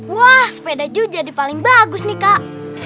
wah sepeda ju jadi paling bagus nih kak